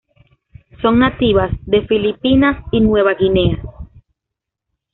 Son nativas de Filipinas y Nueva Guinea.